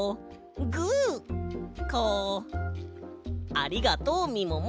ありがとうみもも。